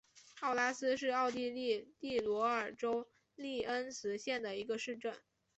安拉斯是奥地利蒂罗尔州利恩茨县的一个市镇。